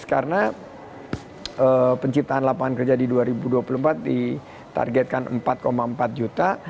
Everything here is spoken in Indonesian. karena penciptaan lapangan kerja di dua ribu dua puluh empat ditargetkan empat empat juta